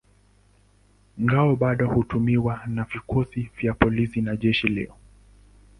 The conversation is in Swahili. Ngao bado hutumiwa na vikosi vya polisi na jeshi leo.